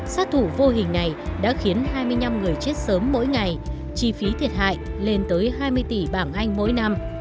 một ngày đã khiến hai mươi năm người chết sớm mỗi ngày chi phí thiệt hại lên tới hai mươi tỷ bảng anh mỗi năm